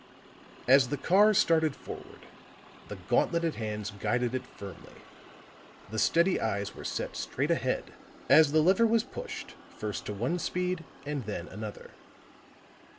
As the car started forward, the gauntleted hands guided it firmly; the steady eyes were set straight ahead as the lever was pushed first to one speed and then another.